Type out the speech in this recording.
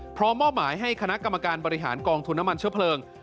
มอบหมายให้คณะกรรมการบริหารกองทุนน้ำมันเชื้อเพลิง